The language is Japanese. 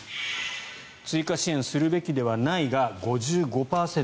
追加支援するべきではないが５５％